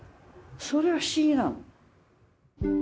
それは不思議なの。